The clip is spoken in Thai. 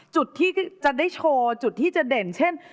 จุดที่จะได้โชว์จุดที่จะเด่นเช่น